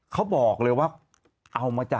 เขาบอกเลยว่า